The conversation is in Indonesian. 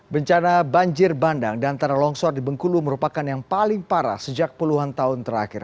bencana banjir bandang dan tanah longsor di bengkulu merupakan yang paling parah sejak puluhan tahun terakhir